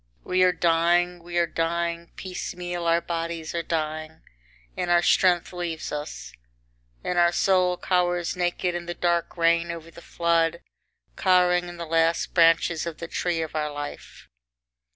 We are dying, we are dying, piecemeal our bodies are dying and our strength leaves us, and our soul cowers naked in the dark rain over the flood, cowering in the last branches of the tree of our life.